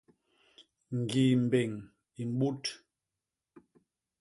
Ñgii mbéñ i mbut.